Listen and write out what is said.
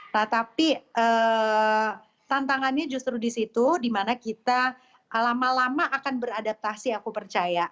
nah tapi tantangannya justru di situ dimana kita lama lama akan beradaptasi aku percaya